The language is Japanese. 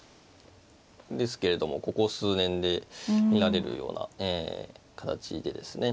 ですけれどもここ数年で見られるような形でですね。